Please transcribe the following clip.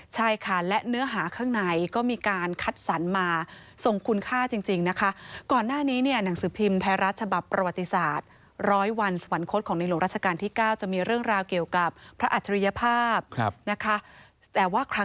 ใช่ค่ะและเนื้อหาข้างในก็มีการ